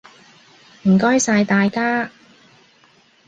唔該晒大家！